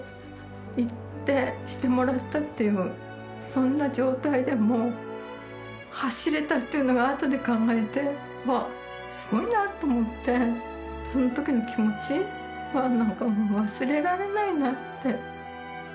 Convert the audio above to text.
そんな状態でも走れたっていうのがあとで考えてすごいなと思ってそのときの気持ちは何かもう忘れられないなって。